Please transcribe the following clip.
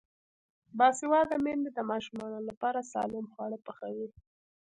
باسواده میندې د ماشومانو لپاره سالم خواړه پخوي.